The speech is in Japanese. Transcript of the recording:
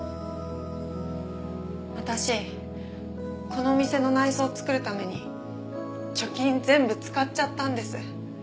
私この店の内装作るために貯金全部使っちゃったんです。